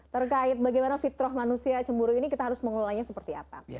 terkait bagaimana fitroh manusia cemburu ini kita harus mengelolanya seperti apa